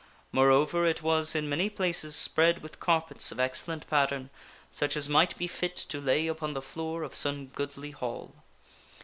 Moreover it was in many places spread with carpets of excellent pattern such as might be fit to lay upon the floor of some goodly hall.